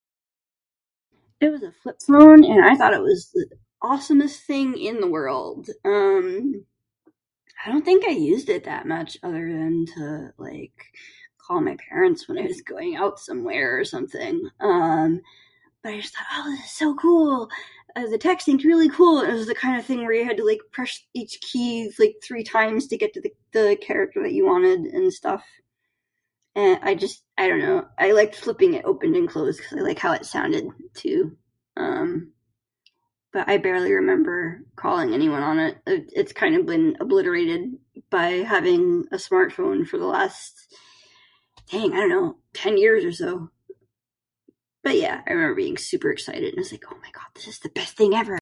"It was a flip phone and I thought it was the awesomest thing in the world. Um, I don't think I used it that much other than to, like, call my parents when I was going out somewhere or something. Um, but I just thought, ""Oh, this is so cool!"". I was like, ""Texting's really cool!"". It was the kinda thing where you had to like press each key like three times to get to the the character that you wanted and stuff. And I just, I dunno, I liked flipping it open and closed cuz I like how it sounded, too. Um, But I barely remember calling anyone on it. It it's kinda been obliterated by having a smartphone for the last, dang, I dunno, ten years or so. But, yeah, I remember being super excited and I was, ""Oh my god, this is the best thing ever!""."